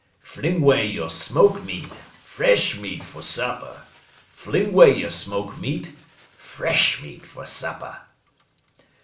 Fling 'way yo' smoke meat fresh meat fer supper! Fling 'way yo' smoke meat fresh meat fer supper!'